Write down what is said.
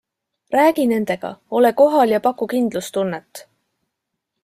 Räägi nendega, ole kohal ja paku kindlustunnet.